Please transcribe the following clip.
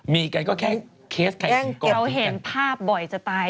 มีกันก็แค่เคสไข่สีกลบจริงเขาเห็นภาพบ่อยจะตาย